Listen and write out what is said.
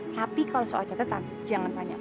tapi kalau soal catatan jangan tanya